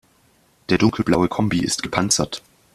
Der dunkelblaue Kombi ist gepanzert.